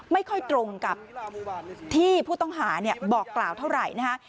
ไม่ค่อยตรงกับที่ผู้ต้องหาบอกกล่าวเท่าไหร่นะฮะ